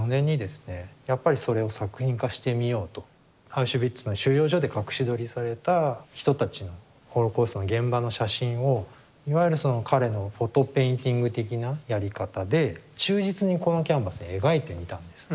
アウシュビッツの収容所で隠し撮りされた人たちのホロコーストの現場の写真をいわゆるその彼の「フォト・ペインティング」的なやり方で忠実にこのキャンバスに描いてみたんです。